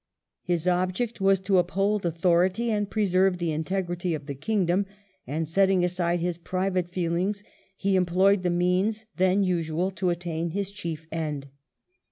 His object was to uphold authority and preserve the integrity of the kingdom, and, setting aside his private feelings, he employed the means then usual to attain his chief end.